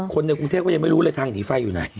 คนในกรุงเทพก็ยังไม่รู้เลยทางหนีไฟอยู่ไหน